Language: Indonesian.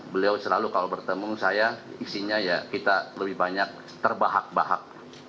beliau selalu kalau bertemu saya isinya ya kita lebih banyak terbahak bahak